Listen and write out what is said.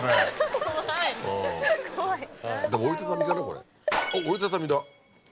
これ折り畳みだ。